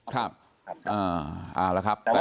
ครับเอาละครับ